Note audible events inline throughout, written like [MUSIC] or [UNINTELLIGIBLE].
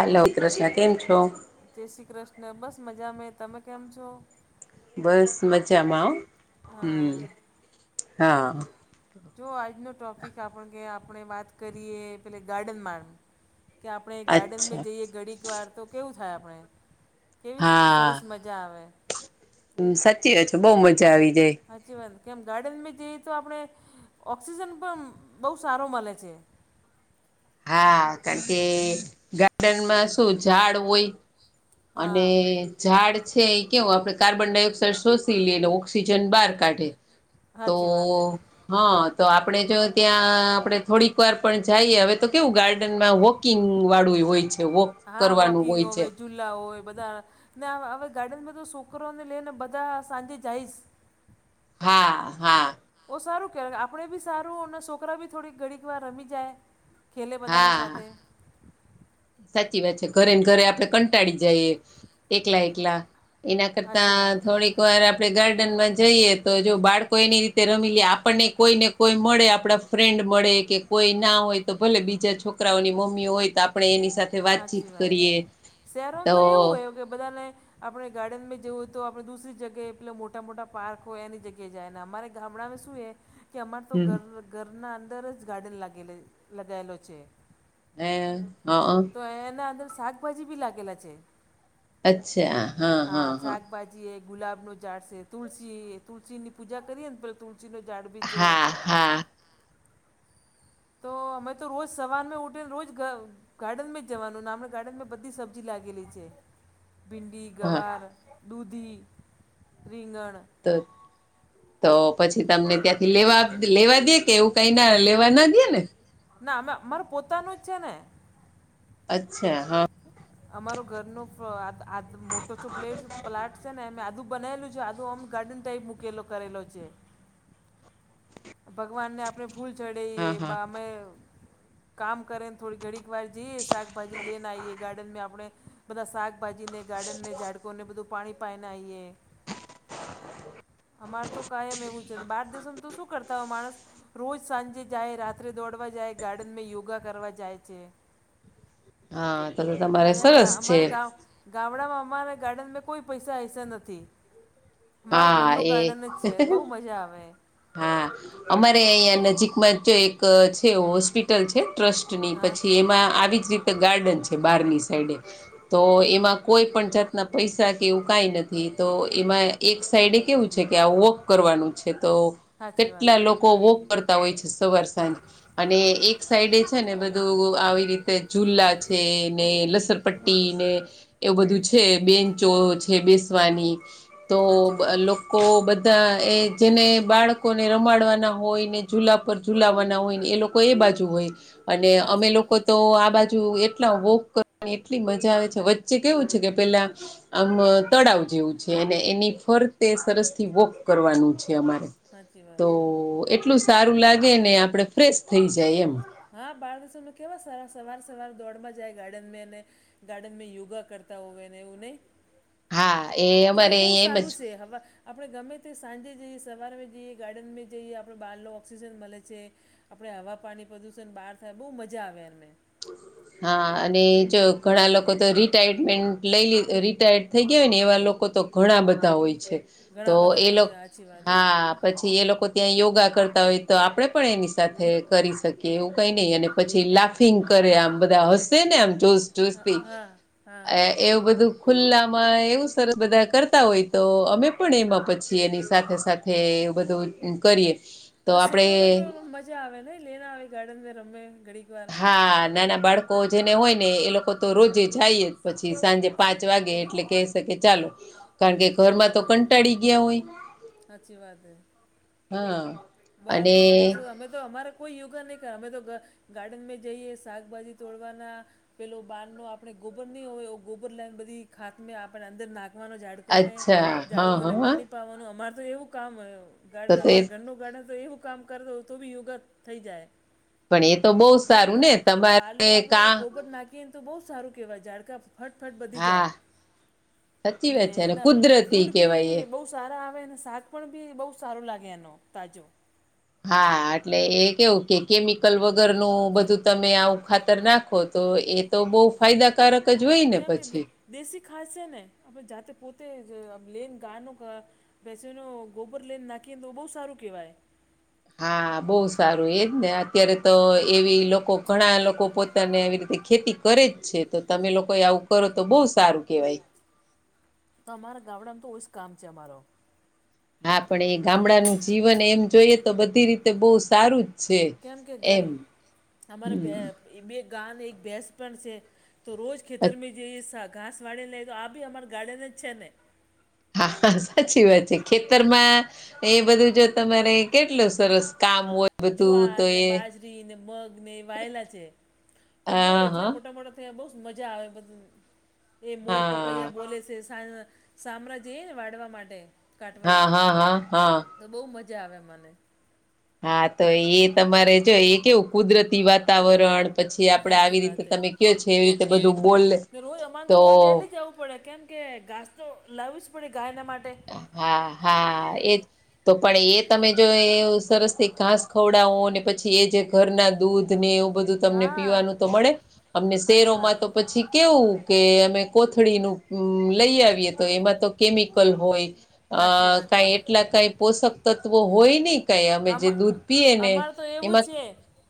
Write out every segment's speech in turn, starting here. Hello Krishna કેમ છો? જય શ્રી કૃષ્ણ બસ મજા મે તમે કેમ છો? બસ મજામાં હા હમ હા. જો આજનો ટોપિક આપણો કે આપણે વાત કરીએ પેલી ગાર્ડન મા કે આપણે અચ્છા ગાર્ડનમાં જઈએ ઘડીક વાર તો કેવું થાય આપણે કેવી સરસ મ જા આવે. હમ સાચી વાત છે બઉ મજા આવી જાય. સાચી વાત કેમ ગાર્ડનમાં જઈએ તો આપણે ઓક્સિજન પણ બહુ સારો મળે છે. હા કારણ કે ગાર્ડનમાં શું ઝાડ હોય. હા અને ઝાડ છે એ કેવું આપડે કાર્બન ડાયોક્સાઇડ શોષી લઈને ઓક્સિજન બહાર કાઢે. તો સાચી વાત હે હા તો આપણે જો ત્યાં આપણે થોડીક વાર પણ જઈ હવે તો કેવું ગાર્ડનમાં વોકિંગ વાળું પણહોય છે વોક. હા કરવાનું વોકિંગ હોય ઓવે છે ઝૂલા હોય બધા ને હવે ગાર્ડનમાં તો છોકરાને લઈને બધા સાંજે જાઈશ. હા હા. ઓ સારું કેવા આપડે બી સારું ને સોકરા બી થોડી ઘડીકવાર રમી જાય. ખેલે બધાના હા સાથે. સાચી વાત છે ઘરે ને ઘરે આપડે કં ટાળી જઈએ એકલા એકલા એના કરતા સાચી વાત હે થોડીકવાર આપડે ગાર્ડનમાં જઈએ તો જો બાળકો એની રીતે રમી લે આપણને કોઈ ને કોઈ મળે આપડા ફ્રેન્ડ મળે કે કોઈ ના હોય તો ભલે બીજા છોકરાઓની મમ્મી હોય તો આપ સાથે વાતચીત સાચી વાત હે કરીએ શહેરોમાં તો એવું હોય કે બધાને આપણે ગાર્ડનમાં જેવું હોય તો આપણે દુસરી જગ્યાએ પેલા મોટા મોટા પાર્ક હોય એની જગ્યાએ જાય ને અમારે ગામડાંમાં શું એ કે અમારે તો હમ ઘર ઘરના અંદર જ ગાર્ડન લાગે લગાયેલો છે. હે હમ્મ. તો એના અંદર શાકભાજી બી લાગેલા છે હા શાકભાજી એ ગુલાબનું ઝાડ છે તુલસી તુલસીની પૂજા કરીએ ને તુલસીનો જાડ બી છે. હા હા તો અમે તો રોજ સવારમાં ઉઠીને રોજ ગાર્ડનમાં જવાનું ને આપણા ગાર્ડનમાં બધી સબ્જી લાગેલી છે ભીંડી, હા ગવાર, દૂધી, રીંગણ. તોત તો પછી તમને ત્યાંથી લેવા લેવા દે કે એવું? તયના લેવા ના દયેને? ના અમે અમાર પોતાનું જ છે ને! અચ્છા હમ્મ. અમાર ઘરનું [UNINTELLIGIBLE] આદ મોટો છો પ્લેટ પ્લાટ છે ને અમે આધું બનાયલું છે આધું અમ ગાર્ડન ટાઇપ મૂકેલો કરેલો છે. ભગવાનને આપણે ફૂલ ચડે હા એ હા બામે કામ કરે થોડી ઘડીકવાર જઈએ ને શાકભાજી લેને આઈએ ગાર્ડન મે આપડે બધા શાકભાજીને ગાર્ડનને ઝાડકોને બધું પાણી પાાયને આવીએ અમારેતો કાયમ એવું છે બાર દેશોમાં તો શું કરતાં હોય માણસ રોજ સાંજે જાય રાત્રે દોડવા જાય ગાર્ડનમાં યોગા કરવા જાય છે હા તો તો તમારે નયા ગા સરસ છે અમારા ગામ ગામડામાં અમારા ગાર્ડનમાં કોઈ પૈસા હૈસા નથી. મારે હા ઘરનું એ ગાર્ડન જ છે બહુ મજા આવે. હા અમારે અહિયા નજીકમાં જો એક છે હોસ્પિ ટલ છે ટ્રસ્ટની હા પછી એમાં આવી જ રીતે ગાર્ડન છે બારની સાઈડે તો એમાં કોઈ પણ જાતના પૈસા કે એવું કઈ નથી તો એમાં એક સાઈડે કેવું છે કે આ વોક કરવાનું છે તો સાચી વાત કેટલા લોકો વોક કરતા હોય છે સવાર સાંજ અને એક સાઈડે છે ને બધું આવી રીતે ઝુલા છે ને લસરપટ્ટી ને એવું બધું છે બેન્ચો છે બેસવાની તો સાચી વાત લોકો બધા એ જેને બાળક કોને રમાડવાના હોય ને જુલા પર જુલાવાના હોય ને એ લોકો એ બાજુ હોય. અને અમે સાચી લોકો વાત તો આ બાજુ એટલા વોક કરવાની એટલી મજા આવે છે વચ્ચે કેવું છે કે પેલા આમ તળાવ જેવું છે અને એની ફરતે સરસથી વોક કરવાનું છે અમારે. સાચી વાત તો એટલું સારું લાગે ને આપડે ફ્રેશ થઈ જાય એમ. હા બાર દેશોમાં કેવા સવાર સવાર સવાર દોડમાં જાય ગાર્ડનમે અને ગાર્ડનમે યોગા કરતા હોય ને એવું નહી. હા એ તો અમારે બહુ અહીંયા એમ સારું જ છે હવે આપણે ગમે તે સાંજે જઈએ, સવારમે જઈએ, ગાર્ડનમે જઈએ આપણે બહારનો ઓક્સિજન મલે છે. આપણે હવા, પાણી, પ્રદૂષણ બહાર થાય, બહુ મજા આવે એમને. [INAUDIBLE] હા અને જો ઘણા લોકો તો રિટાયરમેન્ટ લઈ લ રિટાયર્ડ થઈ ગયા હોય ને એવા લોકો તો ઘણા બધા હોય છે. તો ઘણા બધા એ હોય લોક, છે સાચી વાત હા પછી એ લોકો ત્યાં યોગા કરતા હોય તો આપણે પણ એની સાથે કરી શકીએ એવું કઈ નહી અને પછી લાફ ટીંગ કરે, આમ બધા હસે ને આમ જોશ હા જોશથી. હા હા એવું બધું ખુલ્લામાં એવું સરસ બધા કરતા હોય તો અમે પણ એમાં પછી એની સાથે સાથે હા એવુ બધું કરીએ. તો છોકરોને પણ મજા આવેને, લેન આવે ગાર્ડનમે રમે ઘડીક વાર. હા નાના બાળકો જેને હોય ને એ લોકો તો રોજે જાય જ પછી સાંજે. પાંચ વાગે એટલે કહેશે કે ચાલો કારણકે ઘરમાં તો કંટાળી ગ્યા હોય. હાચી વાત હે. હા. બાર તો અને બધા કસરત, અમે તો અમારે કોઈ યોગા નહીં કરે અમે તો ગ ગાર્ડનમે જઈએ, શાકભાજી તોડવાના પેલો બારનો આપણે ગોબર નહી હોવે, એવો ગોબર લઈને બધી ખાતમે આપણે અંદર નાખવાનો જા અચ્છા [UNINTELLIGIBLE] હા જાડકોને હા પાણી પાવાનું અમારે તો એવું કામ હોય, તો ગાર્ડન તો એ અમાર ઘરનું ગાર્ડન તો એવું કામ કર દઉં, તો બી યોગા થઈ જાય. પણ એ તો બહુ કેમ સારું કે આ ને તમારે બાલનું આપણે કા ગોબર નાખીએ ન તો બહું સારું કેહેવાય ઝાડકા ફટફટ વધી જાય, હા સાચી ને વાત છે અને એના કુદરતી ફ્રૂટ કેવાય બી એ બહુ સારા આવે ને શાક પણ બી બહુ સારું લાગે એનું તાજુ. હા એટલે એ કેવુ કે કેમિકલ વગરનું બધું તમે આવું ખાતર નાખો તો એ તો બહુ ફાયદાકારક જ હોય ને કેમ કે દે પછી દેશી ખાઘ છે ને, આપડે જાતે પોતે જ આમ લેન [UNINTELLIGIBLE] ભેસુંનું ગોબર લઈને નાખીએને તો બહુ સારું કહેવાય. હા બહુ સારું એ જ ને, અત્યારે તો એવી લોકો ઘણા લોકો પોતાને આવી રીતે ખેતી કરે જ છે. તો તમે લોકોય આવું કરો તો બહુ સારું કેહેવાય. અમારા ગામડામાં તો ઓ જ કામ છે અમારો. હા પણ એ ગામડાનું જીવન એમ જોઈએ તો બધી રીતે બહુ સારું. જ છે. કેમ કે ઘર એમ અમારે ભે હમ ઈ બે ગા ને એક ભેસ પણ છે, તો રોજ ખેતરમે જઈએ સા ઘાસ વાળી લઈએ તો આ બી અમાર ગાર્ડન જ છે ને. હા હા સાચી વાત છે ખેતરમાં એ બધું જો તમારે કેટલું સરસ કામ હોય. બધું જુવાર તો ને એ બાજરી ને મગ ને એ વાયેલા છે, તો હા એટલા હા મોટા મોટા ત્યા બહુ જ મજા આવે એ બધું, એ મોર, પપ- હા પૈયા બોલે છે, [UNINTELLIGIBLE] સામમાં જઈએને, વાઢવા માટે કાટવાને. હા હા હા હા તો બહુ મજા આવે અમને. હા તો એ તમારે જો એ કેવું કુદરતી વાતાવરણ પછી આપડે સાચી આવી રીતે વાત હે. તમે કયો એવી રીતે બોલે ને રોજ અમારે તો રોજ ડેલી જવું પડે કેમ? કે ઘાસ તો લાવું જ પડે ગાયના માટે હા, હા એ તો પણ એ તમે જો એ સરસ થી ઘાસ ખવડાવો ને પછી એ જે ઘરના દૂધ ને એવું તમને તો હા પીવાનું મળે અમને શેહારો સાચી માં વાત તો પછી કેવું કે અમે કોથળી નું લઈ આવીએ તો એમાં તો કેમિકલ હોય અ સાચી વાત છે કાઈ એટલા કાઈ પોષક તત્વો હોય નહી કાંઈ અમે જે અમા દૂધ પીએ ને અમારે તો એવું જ એમાં છે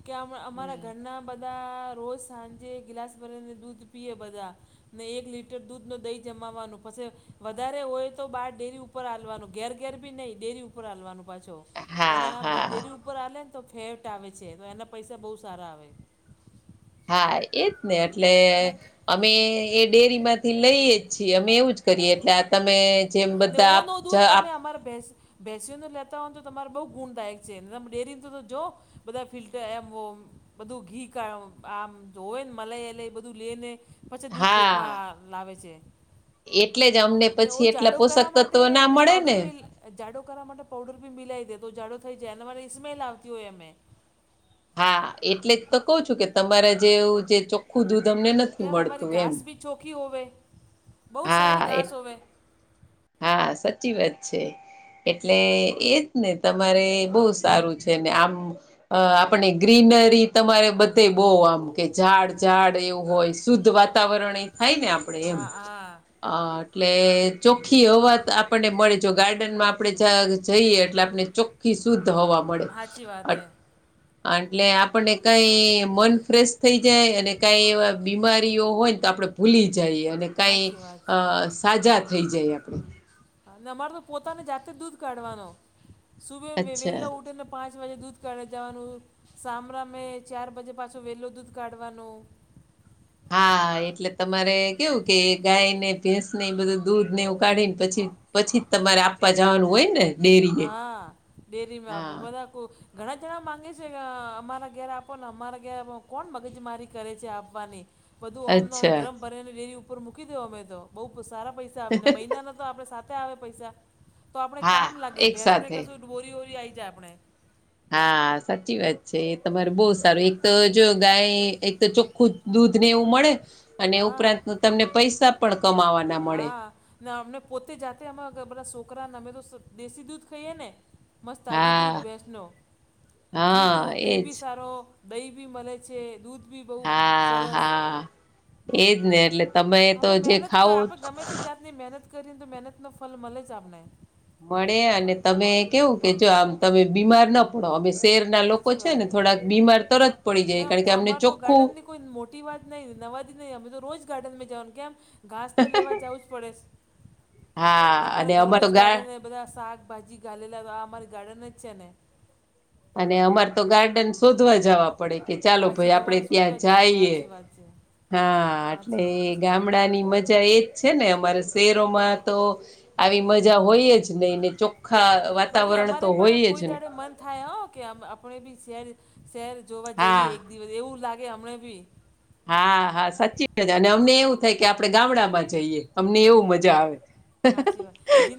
કે અમાં અમારા હમ ઘરના બધા રોજ સાંજે ગ્લાસ ભરીને દૂધ પીએ બધા ને એક લીટર દૂધ નું દહી જમાવાનું પછી વધારે હોય તો બાર ડેરી ઉપ ઉપર હાલવાનું ઘેર બી નહીં ડેરી ઉપર હાલવાનું પાછો હા એના હા ડેરી ઉપર આલે ને તો ફેટ આવે છે, તો એના પૈસા બહુ સારા આવે હા એજ ને એટલે ને કે- અમે એ ડેરીમાંથી લઈએ જ છીએ અમે એવું જ કરીએ એટલે- તમે હા જી જેમ ને બધા આપ એનો ઓ જ દૂધ આપ તમે અમારે ભેં બેસીઓ નો લેતા હોય તો તમારે બહુ ગુણદાયક છે ન તર તમે ડેરીને તો જો બધા ફિલ્ટર એમ ઓમ બધું ઘી કરવામાં આમ જોવે ને મલાઈ બધું લઈને પછી દૂધ હા વેકવા લાવે છે. એટલે જ આમ ને ઓ જાડો કરવા માટે એને પાવડર ને મેલ જાડો કરવા માટે પાઉડર બી મિલાવી દે તો જાડો થઈ માટે સ્મેલ આવતી હોય અમે હા એટલે જ તો કહ છું કે તમારા જેવું જે ચોખ્ખું દૂધ અમને નથી મળતું એમ ચોખી હોવે બહુ સારી હા એટલે ઘાસ હોવે હા સચી વાત છે. એટલે એજ ને તમારે બહુ સારું છે ને આમ આપણે ગ્રીનરી તમારે બધે બહુ આમ કે ઝાડ ઝાડ એવું હોય શુદ્ધ વાત વાતાવરણ એ થાય ને આપણેે એમ હા હા અ એટલે ચોખ્ખી હવા આપણને મળે જો ગાર્ડનમાં આપણે જ જઈએ એટલે આપણે ચોખ્ખી શુદ્ધ હવા મળે સાચી વાત આ હે અ એટલે આપળને કઈ મન ફ્રેશ થઈ જાય અને કઈ એવા બીમારીઓ હોય ને તો આપણે ભૂલી જાય અને કાઈ સાચી વાત અ છે સાજા થઈ જઈએ એમ અમારે તો પોતાને જાતે જ દૂધ કાઢવાનો સુબહ વે અચ્છા વેલા ઉઠીને પાંચ વાજે દૂધ કાઢી જવાનું સામરા મે ચાર બજે પાછો વહેલો દૂધ કાઢવાનું હા એટલે તમારે કેવું કે ગાય ને ભેંસ ને બધું દૂધ ને એવું કાઢીને પછી પછીજ તમારે આપવા જવાનું હોય ને? ડેરીએ હા ડેરીમાં આપો હા બધા કો ઘણા જણા માંગે છે કે અ અમારા ઘેર આપો ને અમારા ઘેર આપો કોણ મગજ મારી કરે છે આપવાની બધું ઓમ ને ઓમ અચ્છા ડ્રમ ભરીને ડેરી ઉપર મૂકી દેવાનુ અમે તો બહુ સારા પૈસા આવે ને મહિનાના તો આપણે સાત આવે પૈસા તો આપડે હા કામ લાગે એક ભેસને સાથે કશું ડોરી વરી આઈ જાય આપણે હા સાચી વાત છે, એ તમારે બહુ સારું એક તો જો ગાય એક તો ચોખ્ખું દૂધને એવું મળે અને હા ઉપરાંત તમને પઇસા પણ કમાવાના મળે. ના અમને પોતે જાતે અમારા બધા છોકરાને અમે તો દેશી દૂધ ખાઈએ ને મસ્ત તાજું દૂધ હા ભેસનો ઘી દૂ હા ઘી બી એજ સારો દહી બી મળે છે દૂધ બી બહુ હા સરસ હા એજ ને એટલે તમે તો જે ખાવું ત્યારની મહેનત કરીને તો મહેનત નો ફલ મળે જ આપણે મળે અને તમે કેવું કે જો આમ તમે બીમાર ન પણ અમે શહેરના લોકો સાચી છે વાત ને થોડાક બીમાર તરત પડી જાય કેમ કારણ કે તો અમને અમારે તો ચોખ્ખું ગાર્ડનની કોઈ મોટી વાત નહી નવા દિનહી અમે તો રોજ ગાર્ડનમાં જવાન કેમ ઘાસ તો લેવા જાવું જ પડેસ ને હા અને અમારા અમાર તો ઘરમાં જ ગા ગાર્ડન બધા શાકભાજી ઘાલેલા તો આ અમારી ગાર્ડન જ છે ને અને અમારે તો ગાર્ડન શોધવા જાવા પડે કે ચાલો હાચી ભાઈ આપડે તમારે શોધવા ત્યાં જવું જાઈએ પણ છે હા હાચી એટલે વાત હાચી વાત છે ગામડાની મજા એજ છે ને અમારે શહેરોમાં તો આવી મજા હોય જ નય ને ચોખ્ખા હાચી બાકી વાતાવરણ તો અમારે પણ હોય જ કોઈ ન દાડે મન થાય હો કે આપણે બી શહેર શહેર જોવા જઈએ હા એક દિવસ એવું લાગે હમંણે બી હા હા સાચી [UNINTELLIGIBLE] અમને એવું થાય કે આપણે ગામડામાં જઈએ અમને એવું લો મજા આવે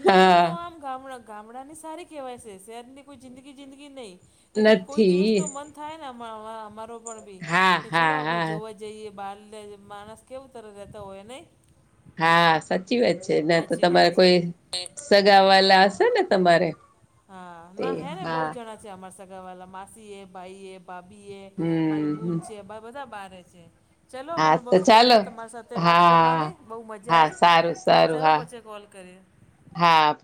હા ગ ગામડાને સારી કહેવાય છે શહેરની કોઈ જિંદગી જિંદગી નહીં લેકીન કોઈ દિવસ તો નથી મન થાય ને અમારો પણ બી હા કે ચલો હા આપણે હા જોવા જઇએ બાલ્ય માણસ કેવું તર રહેતો હોય નહી હા સાચી વાત છે ન્યાં તો હાચી વાત તમારે છે કોઈ સગા વાલા હશે ને તમારે હા તે ના હે ને બહુ હા જણા છે અમારા સગા વાલા માસી એ ભાઈ એ ભાભી એ મારી બૂન હમ છે માર બધા બારે છે ચલો હા મને બહુ તો ચાલો ગમ્યું તમારી સાથે વાત કરવાની હા બહુ મજા હા આવી સારું સારું ચલો હા પછી કોલ કરે હા